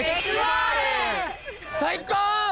最高！